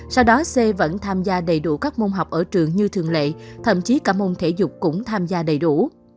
sau đó c vẫn tham gia đầy đủ các môn học ở trường như thường lệ thậm chí cả môn thể dục cũng tham gia đầy đủ